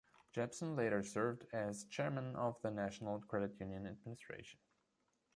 Jepsen later served as chairman of the National Credit Union Administration.